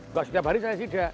kok setiap hari saya sidak